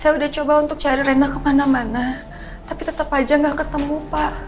saya sudah coba untuk cari reina kemana mana tapi tetap saja tidak ketemu pak